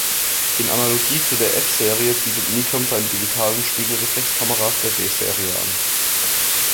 In Analogie zu der "F-Serie" bietet Nikon seine digitalen Spiegelreflexkameras der D-Serie an.